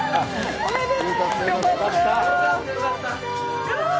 おめでとう！